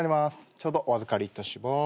ちょうどお預かりいたします。